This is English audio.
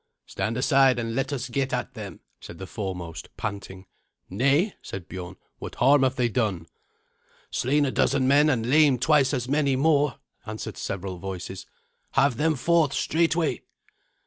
"Stand aside and let us get at them," said the foremost, panting. "Nay," said Biorn; "what harm have they done?" "Slain a dozen men and lamed twice as many more," answered several voices; "have them forth straightway."